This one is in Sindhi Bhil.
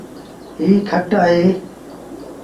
ايٚ کٽ اهي ۔